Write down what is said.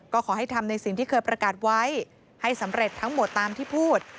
ก็ขอให้ทำในสิ่งที่เคยประกาศไว้ให้สำเร็จทั้งหมดตามที่พูด